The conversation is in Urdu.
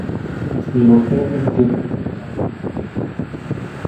لوٹے ان کے کسی کام نہ آ سکتے تھے۔